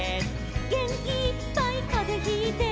「げんきいっぱいかぜひいて」